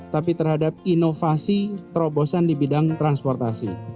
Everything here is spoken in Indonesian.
tapi terhadap inovasi terobosan di bidang transportasi